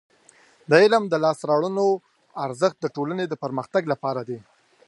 د علم د لاسته راوړنو ارزښت د ټولنې د پرمختګ لپاره دی.